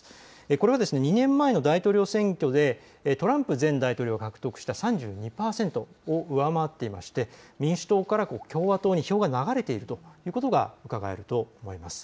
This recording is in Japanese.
これは２年前の大統領選挙でトランプ前大統領が獲得した３２％を上回っていて民主党から共和党に票が流れているということがうかがえると思います。